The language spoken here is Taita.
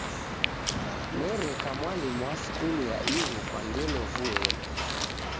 Nereka mwalimu wa skulu ya ighu kwa ngelo vueri.